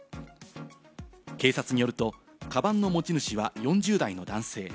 警察によると、カバンの持ち主は４０代の男性。